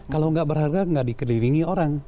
kalau nggak berharga nggak dikelilingi orang